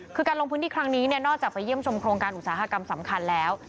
คือการลงพื้นที่ครั้งนี้เนี่ยนอกจากไปเยี่ยมชมโครงการอุตสาหกรรมสำคัญแล้ว